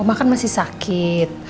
oma kan masih sakit